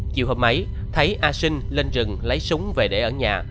chiều hợp ấy thấy a sinh lên rừng lấy súng về để ở nhà